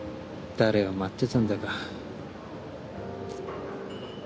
誰を待ってたんだか。